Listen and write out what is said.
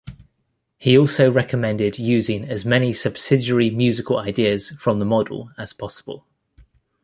He also recommended using as many subsidiary musical ideas from the model as possible.